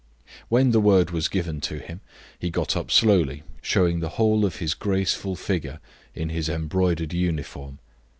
When the word was given to him, he got up slowly, showing the whole of his graceful figure in his embroidered uniform.